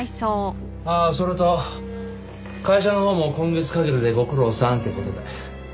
ああそれと会社のほうも今月限りでご苦労さんって事で。